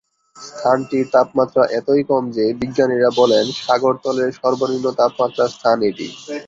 স্থানটির তাপমাত্রা এতই কম যে, বিজ্ঞানীরা বলেন সাগর তলের সর্বনিম্ন তাপমাত্রার স্থান এটিই।